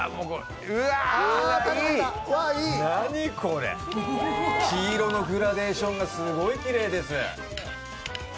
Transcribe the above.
何これ、黄色のグラデーションがすごいきれいです。